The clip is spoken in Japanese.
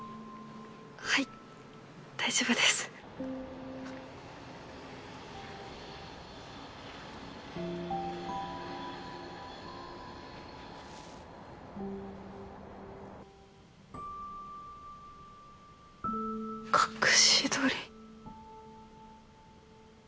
はい大丈夫です隠し撮り？